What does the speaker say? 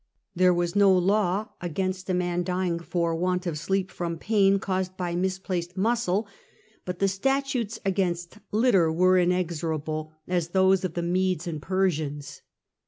There was no law against a man dying for want of sleep from pain caused by misplaced muscle ; but the statutes against litter were inexorable as those of the Medes and Persians.